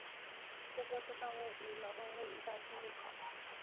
这座车站位于劳动路与大庆路口。